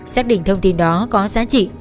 xác định thông tin đó có giá trị